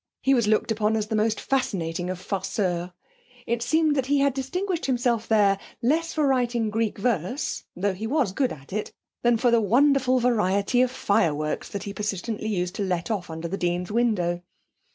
He was looked upon as the most fascinating of farceurs. It seems that he had distinguished himself there less for writing Greek verse, though he was good at it, than for the wonderful variety of fireworks that he persistently used to let off under the dean's window.